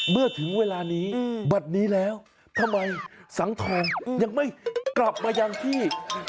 เมื่อถึงเวลานี้บัตรนี้แล้วทำไมสังทองยังไม่กลับมายังที่